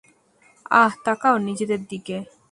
আহ, তাকাও নিজেদের দিকে।